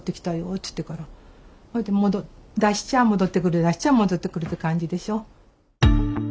っちゅってからそれで出しちゃあ戻ってくる出しちゃあ戻ってくるって感じでしょ。